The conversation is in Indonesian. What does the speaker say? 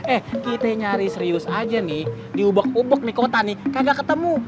eh kita nyari serius aja nih di ubuk ubok nih kota nih kagak ketemu